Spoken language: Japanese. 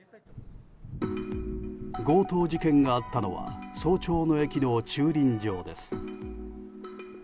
強盗事件があったのは早朝の駅の駐輪場です。